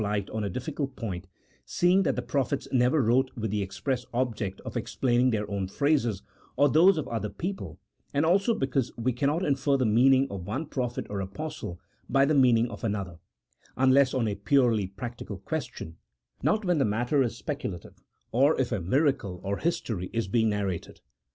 Ill light on a difficult point, seeing that the prophets never ■wrote with the express object of explaining their own phrases or those of other people, and also because we •cannot infer the meaning of one prophet or apostle by the meaning of another, unless on a purely practical question, not when the matter is speculative, or if a miracle, or his tory is being narrated.